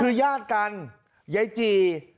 คือญาติกันยายจี่